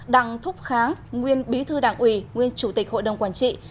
đặng thúc kháng nguyên bí thư đảng ủy nguyên chủ tịch hội đồng quản trị